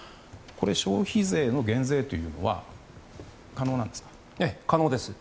消費税の減税というのは可能なんですか。